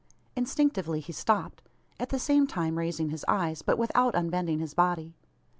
Instinctively he stopped; at the same time raising his eyes, but without unbending his body.